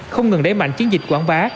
không ngừng đẩy mạnh chiến dịch quảng bá